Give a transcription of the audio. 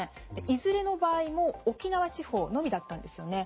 いずれの場合も沖縄地方のみだったんですよね。